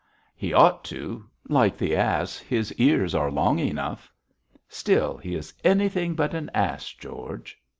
'He ought to; like the ass, his ears are long enough.' 'Still, he is anything but an ass George.'